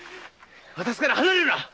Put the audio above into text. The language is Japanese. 私から離れるな！